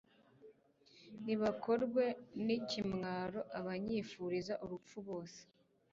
nibakorwe n'ikimwaro, abanyifuriza urupfu bose